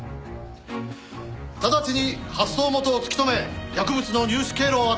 ただちに発送元を突き止め薬物の入手経路をあたれ！